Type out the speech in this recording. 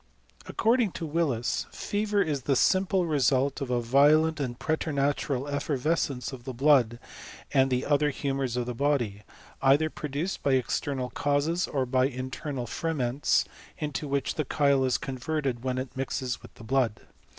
According to Willis, fever is the simple result of a violent and pre^ tematural effervescence of the blood and the othtr humours of the body, either produced by external causes, or by internal ferments, into which the chyla is converted when it mixes with the blood.